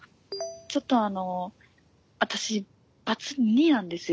ちょっとあの私バツ２なんですよ。